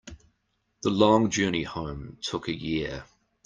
The long journey home took a year.